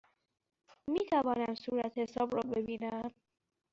می توانم صورتحساب را ببینم؟